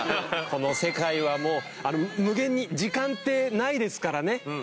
この世界はもう無限に時間ってないですからね。